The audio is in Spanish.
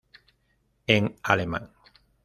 En alemán